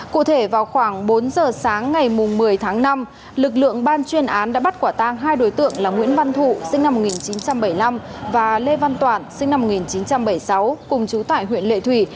cụ thể vào khoảng bốn giờ sáng ngày một mươi tháng năm lực lượng ban chuyên án đã bắt quả tang hai đối tượng là nguyễn văn thụ sinh năm một nghìn chín trăm bảy mươi năm và lê văn toản sinh năm một nghìn chín trăm bảy mươi sáu cùng chú tại huyện lệ thủy